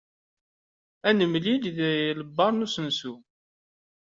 Ad nemlil deg lbaṛ n usensu.